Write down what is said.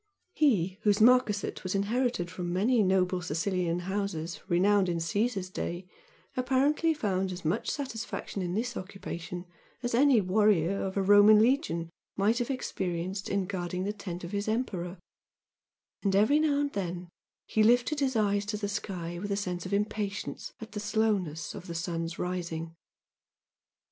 He, whose Marquisate was inherited from many noble Sicilian houses renowned in Caesar's day, apparently found as much satisfaction in this occupation as any warrior of a Roman Legion might have experienced in guarding the tent of his Emperor, and every now and then he lifted his eyes to the sky with a sense of impatience at the slowness of the sun's rising.